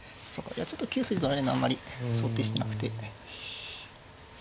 いやちょっと９筋取られるのはあんまり想定してなくて。